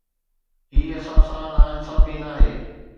هي اسان سان ناانصافي ناهي.